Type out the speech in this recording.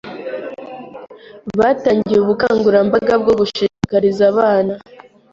batangiye ubukangurambaga bwo gushishikariza abana